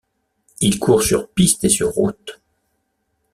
Il court sur piste et sur route.